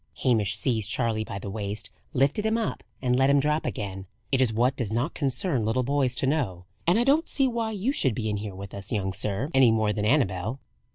Hamish seized Charley by the waist, lifted him up, and let him drop again. "It is what does not concern little boys to know: and I don't see why you should be in here with us, young sir, any more than Annabel."